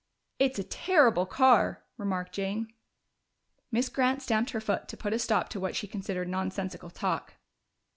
"It's a terrible car," remarked Jane. Miss Grant stamped her foot to put a stop to what she considered nonsensical talk.